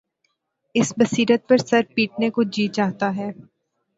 اس بصیرت پر سر پیٹنے کو جی چاہتا ہے۔